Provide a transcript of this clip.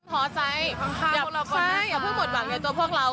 พอใจอย่าเพิ่งหมดหวังในตัวพวกเรา